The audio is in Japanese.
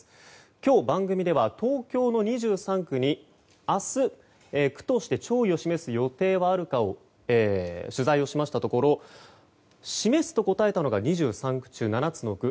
今日、番組では東京２３区に明日、区として弔意を示す予定はあるかを取材しましたところ示すと答えたのが２３区中７つの区。